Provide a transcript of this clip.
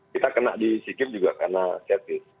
kita kena di seekip juga karena set piece